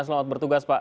selamat bertugas pak